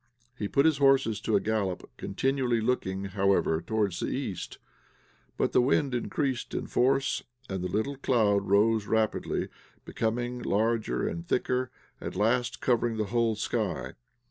He put his horses to a gallop, continually looking, however, towards the east. But the wind increased in force, the little cloud rose rapidly, became larger and thicker, at last covering the whole sky.